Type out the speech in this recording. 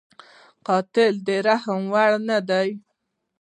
قاتل د رحم وړ نه دی